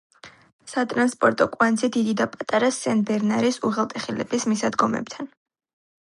სატრანსპორტო კვანძი დიდი და პატარა სენ-ბერნარის უღელტეხილების მისადგომებთან.